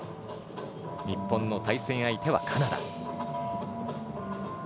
日本の対戦相手はカナダ。